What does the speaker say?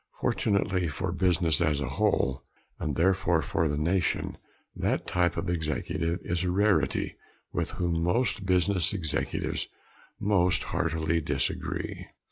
Fortunately for business as a whole, and therefore for the nation, that type of executive is a rarity with whom most business executives most heartily disagree.